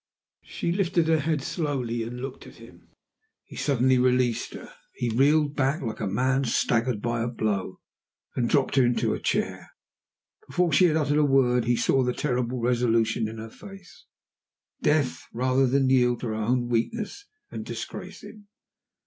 She lifted her head slowly and looked at him. He suddenly released her; he reeled back like a man staggered by a blow, and dropped into a chair. Before she had uttered a word he saw the terrible resolution in her face Death, rather than yield to her own weakness and disgrace him.